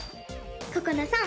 ここなさん